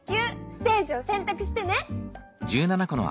ステージをせんたくしてね。